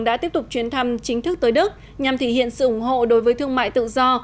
đã tiếp tục chuyến thăm chính thức tới đức nhằm thể hiện sự ủng hộ đối với thương mại tự do